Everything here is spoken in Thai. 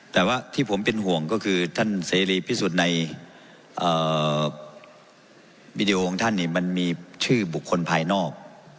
แต่ว่าที่ผมเป็นห่วงก็คือท่านเสรีพิสุทธิ์ในวีดีโอของท่านมันมีชื่อบุคคลภายนอก